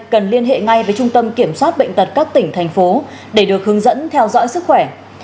cần liên hệ ngay với trung tâm kiểm soát bệnh tật các tỉnh thành phố để được hướng dẫn theo dõi sức khỏe